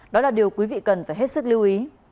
đó là điều quý vị cần phải hết sức lưu ý